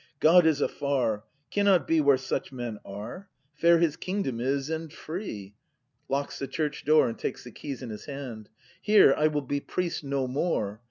God is afar! Cannot be where such men are! Fair His kingdom is and free! [Locks the church door and takes the keys in his hajid.] Here I will be priest no more.